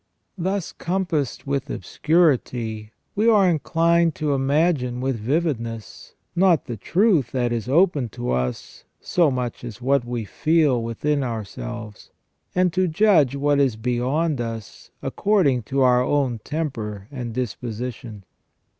Thus compassed with obscurity, we are inclined to imagine with vividness, not the truth that is open to us, so much as what we feel within ourselves, and to judge what is beyond us according to our own temper and disposition.